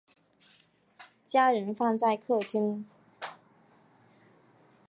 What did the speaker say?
家人放在客厅